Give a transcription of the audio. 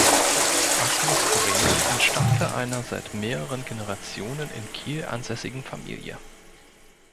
Asmus Bremer entstammte einer seit mehreren Generationen in Kiel ansässigen Familie.